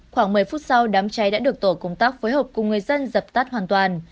khoảng một mươi phút sau đám cháy đã được tổ công tác phối hợp cùng người dân dập tắt hoàn toàn